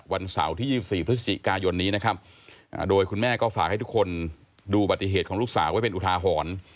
วันเสาร์ที่๒๔พฤศจิกายนนี้นะครับโดยคุณแม่ก็ฝากให้ทุกคนดูบัติเหตุของลูกสาวไว้เป็นอุทาหรณ์